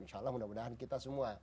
insya allah mudah mudahan kita semua